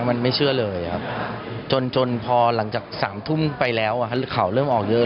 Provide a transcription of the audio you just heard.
มันไม่เชื่อเลยครับจนพอหลังจาก๓ทุ่มไปแล้วข่าวเริ่มออกเยอะ